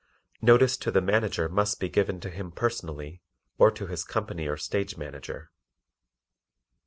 Notice to the Manager must be given to him personally or to his company or Stage Manager.